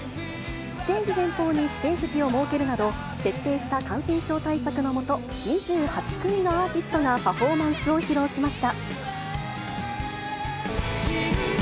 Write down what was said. ステージ前方に指定席を設けるなど、徹底した感染症対策の下、２８組のアーティストがパフォーマンスを披露しました。